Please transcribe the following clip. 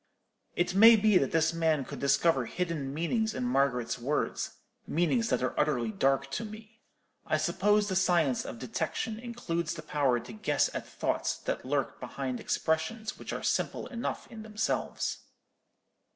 It may be that this man could discover hidden meanings in Margaret's words—meanings that are utterly dark to me. I suppose the science of detection includes the power to guess at thoughts that lurk behind expressions which are simple enough in themselves.